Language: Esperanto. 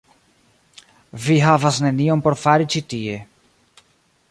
Vi havas nenion por fari ĉi tie.